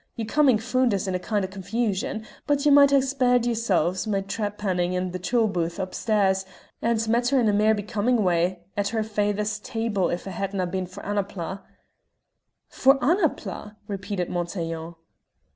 Your comin' found us in a kin' o' confusion, but ye might hac spared yersel' my trepannin' in the tolbooth upstairs, and met her in a mair becomin' way at her faither's table if it hadna been for Annapla." "For Annapla?" repeated Montaiglon.